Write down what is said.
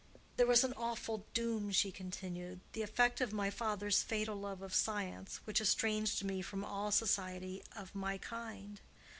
"There was an awful doom," she continued, "the effect of my father's fatal love of science, which estranged me from all society of my kind.